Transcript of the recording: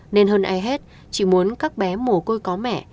nên hơn ai hết chị muốn các bé mồ côi có mẹ